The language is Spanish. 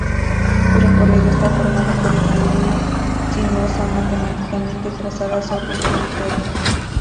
Su recorrido está formado por una línea sinuosa matemáticamente trazada sobre el territorio.